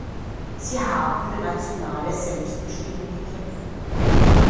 Sie haben für nationale Selbstbestimmung gekämpft.